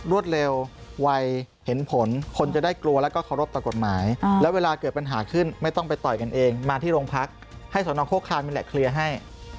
รวดเร็ววัยเห็นผลคนจะได้กลัวแล้วก็เคารพต่อกฎหมายแล้วเวลาเกิดปัญหาขึ้นไม่ต้องไปต่อยกันเองมาที่โรงพักให้สนโฆคลานนี่แหละเคลียร์ให้